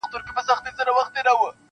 o تا مي غریبي راته پیغور کړله ,